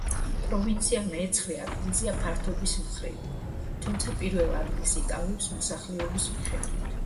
პროვინცია მეცხრე ადგილზეა ფართობის მხრივ, თუმცა პირველ ადგილს იკავებს მოსახლეობის მიხედვით.